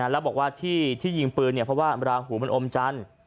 แล้วบอกว่าที่ยิงปืนเพราะว่าราหูมันอมจันทร์